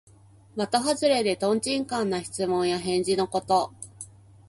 まとはずれで、とんちんかんな質問や返事のこと。